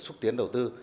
xúc tiến đầu tư